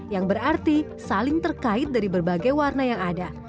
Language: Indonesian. yang berarti saling terkait dari berbagai warna yang ada